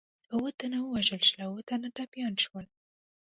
اووه تنه ووژل شول او اووه تنه ټپیان شول.